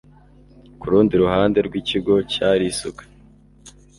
ku rundi ruhande rw'ikigo cyari isuka